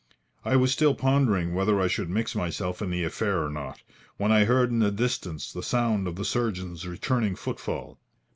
I was still pondering whether I should mix myself in the affair or not, when I heard in the distance the sound of the surgeon's returning footfall.